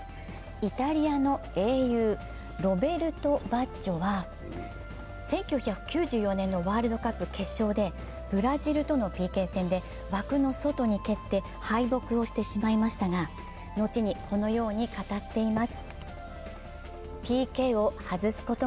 イタリアの英雄・ロベルト・バッジョは１９９４年のワールドカップ決勝でブラジルとのＰＫ戦で枠の外に蹴って敗北をシテしましましたが、後にこのように語っています。